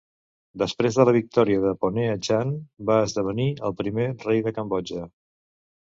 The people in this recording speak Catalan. Després de la victòria de Ponhea Chan, va esdevenir el primer rei de Cambodja.